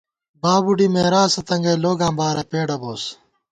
بابُوڈی میراثہ تنگئی لوگاں بارہ پېڈہ بوس